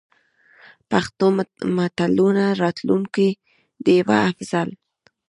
پښتو متلونو: راټولونکې ډيـوه افـضـل.